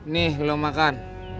nih belum makan